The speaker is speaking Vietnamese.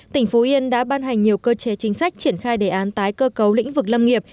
tỉnh phú yên đã ban hành nhiều cơ chế chính sách triển khai đề án tái cơ cấu lĩnh vực lâm nghiệp